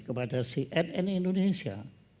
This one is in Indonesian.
kepada cnn indonesia